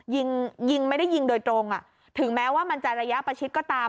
ยิงยิงไม่ได้ยิงโดยตรงอ่ะถึงแม้ว่ามันจะระยะประชิดก็ตาม